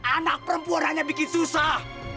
anak perempuan hanya bikin susah